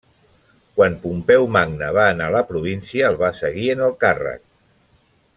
Quan Pompeu Magne va anar a la província el va seguir en el càrrec.